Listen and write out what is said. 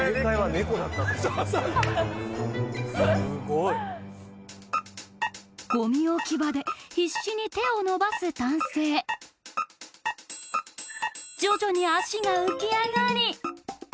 すごいゴミ置き場で必死に手を伸ばす男性徐々に足が浮き上がり